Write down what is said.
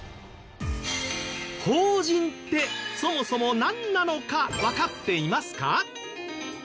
「法人」ってそもそもなんなのかわかっていますか？